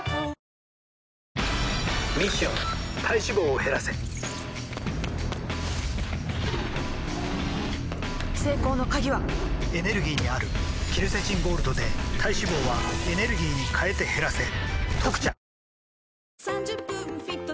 ミッション体脂肪を減らせ成功の鍵はエネルギーにあるケルセチンゴールドで体脂肪はエネルギーに変えて減らせ「特茶」